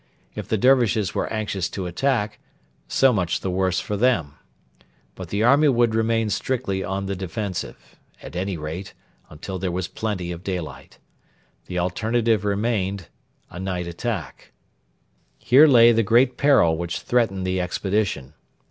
If the Dervishes were anxious to attack, so much the worse for them. But the army would remain strictly on the defensive at any rate, until there was plenty of daylight. The alternative remained a night attack. Here lay the great peril which threatened the expedition.